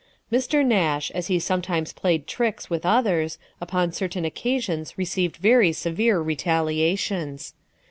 Mr. Nash, as he sometimes played tricks with others, upon certain occasions received very severe retaliations.